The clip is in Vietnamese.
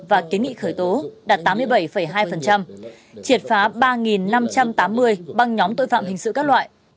và kiến nghị khởi tố đạt tám mươi bảy hai triệt phá ba năm trăm tám mươi băng nhóm tội phạm hình sự các loại